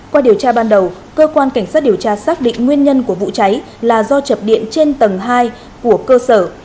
qua điều tra ban đầu cơ quan cảnh sát điều tra xác định nguyên nhân của vụ cháy là do chập điện trên tầng hai của cơ sở